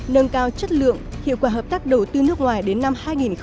nâng cao chất lượng hiệu quả hợp tác đầu tư nước ngoài đến năm hai nghìn hai mươi